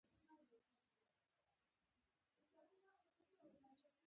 حرص به ورکوي چې شیان هم لاسته راوړم.